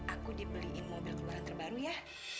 aku dibeliin mobil keluaran terbaru ya